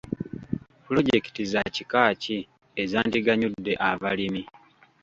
Pulojekiti za kika ki ezandiganyudde abalimi?